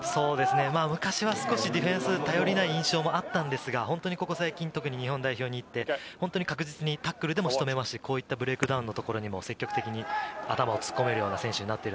昔は少し、ディフェンス頼りない印象もあったんですが、ここ最近、特に日本代表に行って、確実にタックルでも仕留めますし、ブレイクダウンのところにも積極的に頭を突っ込めるような選手になっている。